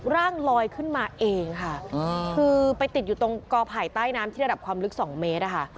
ร่างลอยขึ้นมาเองค่ะคือไปติดอยู่ตรงกอไผ่ใต้น้ำที่ระดับความลึก๒เมตรอะค่ะ